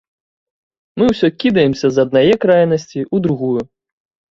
Мы ўсё кідаемся з аднае крайнасці ў другую.